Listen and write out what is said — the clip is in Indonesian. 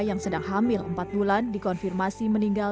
yang sedang hamil empat bulan dikonfirmasi meninggal